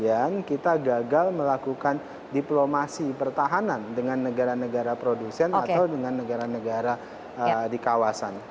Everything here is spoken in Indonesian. kemudian kita gagal melakukan diplomasi pertahanan dengan negara negara produsen atau dengan negara negara di kawasan